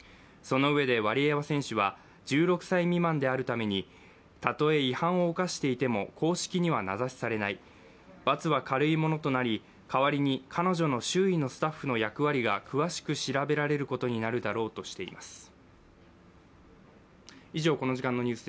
そのうえで、ワリエワ選手は１６歳未満であるために、たとえ違反を犯していても公式には名指しされない罰は軽いものとなり、代わりに彼女の周囲のスタッフの役割が詳しく調べられることになるだろうとしています。